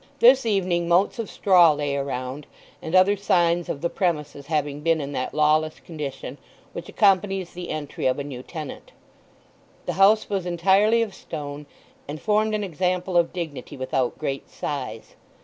This evening motes of straw lay around, and other signs of the premises having been in that lawless condition which accompanies the entry of a new tenant. The house was entirely of stone, and formed an example of dignity without great size.